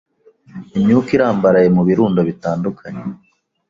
Imyuka irambaraye mu birundo bitandukanye